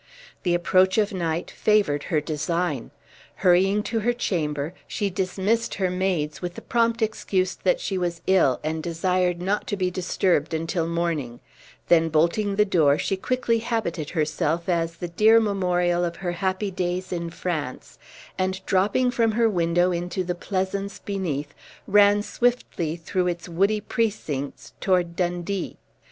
The approach of night favored her design. Hurrying to her chamber, she dismissed her maids with the prompt excuse that she was ill, and desired not to be disturbed until morning, then bolting the door, she quickly habited herself as the dear memorial of her happy days in France, and dropping from her window into the pleasance beneath, ran swiftly through its woody precincts toward Dundee.